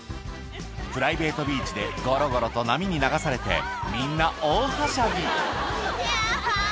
プライベートビーチでごろごろと波に流されて、みんな大はしゃぎ。